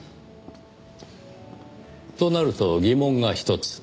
となると疑問がひとつ。